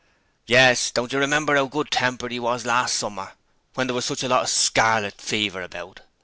'Yes: don't you remember 'ow good tempered 'e was last summer when there was such a lot of Scarlet Fever about?'